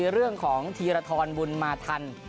เรื่องของธีรทรบุญมาทัน